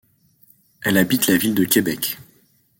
Elle habite la ville de Québec.